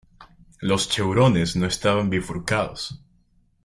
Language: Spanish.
Los cheurones no estaban bifurcados.